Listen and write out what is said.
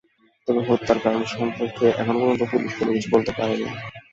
তবে হত্যার কারণ সম্পর্কে এখন পর্যন্ত পুলিশ কোনো কিছু বলতে পারেনি।